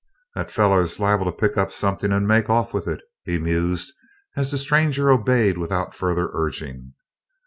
"That feller's liable to pick up somethin' and make off with it," he mused as the stranger obeyed without further urging.